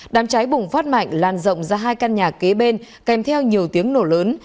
đám cháy bùng phát mạnh lan rộng ra hai căn nhà kế bên kèm theo nhiều tiếng nổ lớn